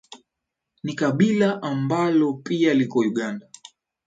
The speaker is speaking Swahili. ni kabila ambalo pia liko Uganda